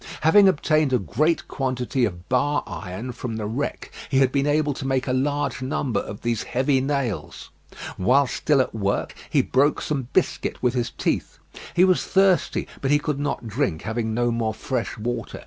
Having obtained a great quantity of bar iron from the wreck, he had been able to make a large number of these heavy nails. While still at work, he broke some biscuit with his teeth. He was thirsty, but he could not drink, having no more fresh water.